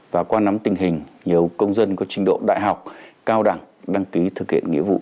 và qua nắm tình hình nhiều công dân có trình độ đại học cao đẳng đăng ký thực hiện nghĩa vụ